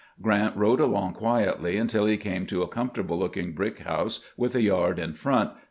Grant rode along quietly until he came to a comfortable looking brick house with a yard in front, No.